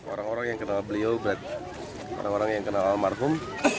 orang orang yang kenal beliau orang orang yang kenal almarhum